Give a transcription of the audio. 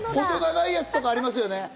細長いやつとかありますよね？